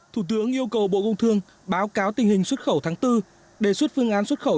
thủ tướng yêu cầu bộ công thương báo cáo tình hình xuất khẩu tháng bốn đề xuất phương án xuất khẩu